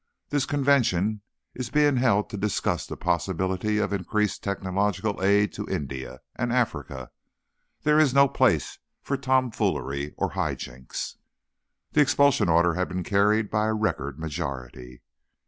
"This convention is being held to discuss the possibility of increased technological aid to India and Africa. There is no place for tomfoolery or high jinks." The expulsion order had been carried by a record majority.